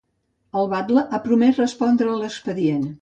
El batle ha promès respondre a l'expedient.